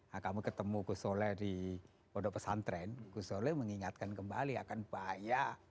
nah kamu ketemu gusola di bondo pesantren gusola mengingatkan kembali akan bahaya